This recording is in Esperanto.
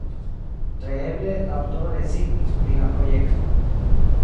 Tre eble, la aŭtoro rezignis pri la projekto.